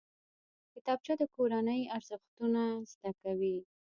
کتابچه د کورنۍ ارزښتونه زده کوي